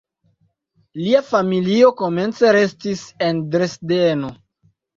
Lia familio komence restis en Dresdeno.